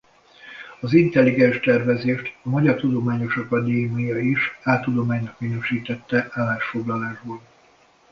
Az intelligens tervezést a Magyar Tudományos Akadémia is áltudománynak minősítette állásfoglalásban.